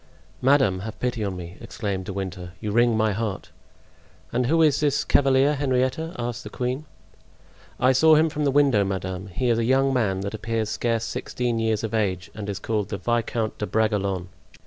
"Madame, have pity on me," exclaimed De Winter; "you wring my heart!" "And who is this cavalier, Henrietta?" asked the queen. "I saw him from the window, madame; he is a young man that appears scarce sixteen years of age, and is called the Viscount de Bragelonne."